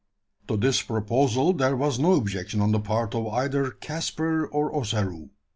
To this proposal there was no objection on the part of either Caspar or Ossaroo.